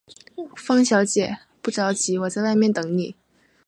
方小姐，不着急，我在外面等妳。